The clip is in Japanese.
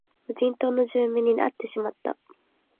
無人島の住民に会ってしまった